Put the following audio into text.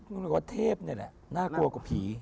รู้สึกว่าเทพนี่แหละน่ากลัวกว่าผี